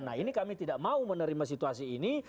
nah ini kami tidak mau menerima situasi ini